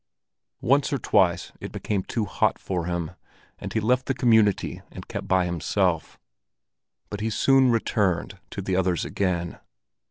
Once or twice it became too hot for him, and he left the community and kept by himself; but he soon returned to the others again.